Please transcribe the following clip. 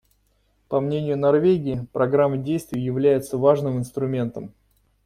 По мнению Норвегии, Программа действий является важным инструментом.